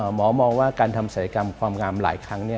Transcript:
หมอมองว่าการทำศัยกรรมความงามหลายครั้ง